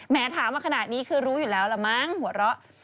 ถามมาขนาดนี้คือรู้อยู่แล้วล่ะมั้งหัวเราะ